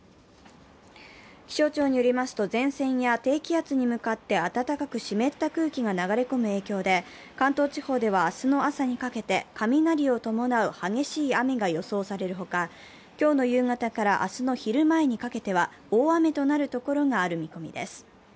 気象庁によりますと、前線や低気圧に向かって暖かく湿った空気が流れ込む影響で、関東地方では明日の朝にかけて雷を伴う激しい雨が予想される他、今日の夕方から明日の昼前にかけては、大雨となるところがある見込みです。